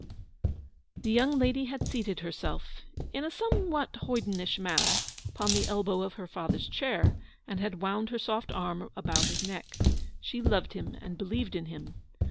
The young lady had seated herself, in a some what hoydenish manner, upon the elbow of her father's chair, and had wound her soft round arm about his neck. She loved him and believed in him.